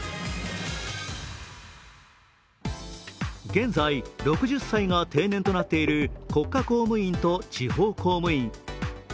現在６０歳が定年となっている国家公務員と地方公務員。